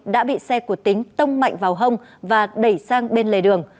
đã bị xe của tính tông mạnh vào hông và đẩy sang bên lề đường